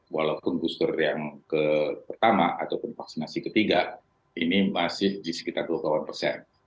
walaupun booster yang pertama ataupun vaksinasi ketiga ini masih di sekitar dua puluh persen